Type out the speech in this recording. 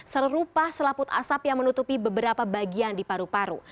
serupa selaput asap yang menutupi beberapa bagian di paru paru